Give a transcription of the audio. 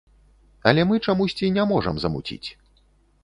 Але мы чамусьці не можам замуціць.